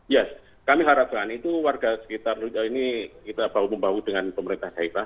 yes kami harapkan itu warga sekitar ini kita bahu bahu dengan pemerintah kaitan